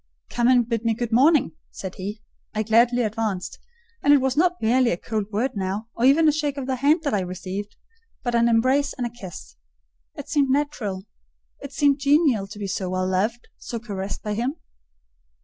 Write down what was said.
"Come and bid me good morning," said he. I gladly advanced; and it was not merely a cold word now, or even a shake of the hand that I received, but an embrace and a kiss. It seemed natural: it seemed genial to be so well loved, so caressed by him.